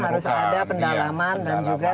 harus ada pendalaman dan juga